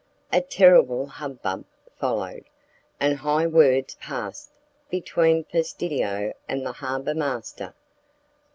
A terrible hubbub followed, and high words passed between Fastidio and the harbour master.